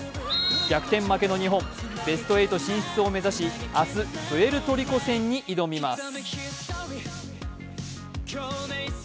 逆転負けの日本、ベスト８進出を目指し明日、プエルトリコ戦に挑みます。